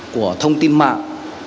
của thông tin mạng